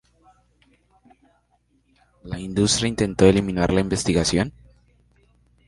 La industria intentó eliminar la investigación.